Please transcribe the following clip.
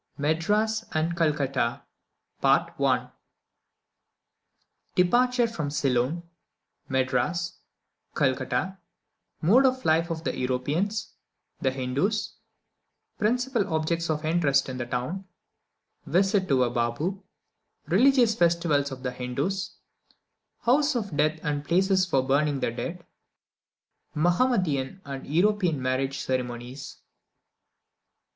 MADRAS AND CALCUTTA. DEPARTURE FROM CEYLON MADRAS CALCUTTA MODE OF LIFE OF THE EUROPEANS THE HINDOOS PRINCIPAL OBJECTS OF INTEREST IN THE TOWN VISIT TO A BABOO RELIGIOUS FESTIVALS OF THE HINDOOS HOUSES OF DEATH AND PLACES FOR BURNING THE DEAD MAHOMEDAN AND EUROPEAN MARRIAGE CEREMONIES.